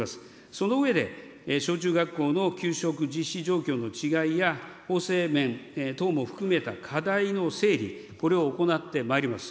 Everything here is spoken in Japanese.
その上で、小中学校の給食実施状況の違いや、法制面等も含めた課題の整理、これを行ってまいります。